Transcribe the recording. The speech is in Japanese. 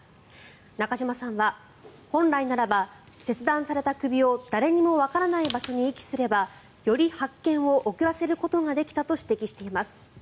中島さんは本来ならば切断された首を誰にもわからない場所に遺棄すればより発見を遅らせることができたと指摘しています。